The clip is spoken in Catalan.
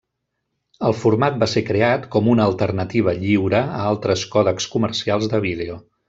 El format va ser creat com una alternativa lliure a altres còdecs comercials de vídeo.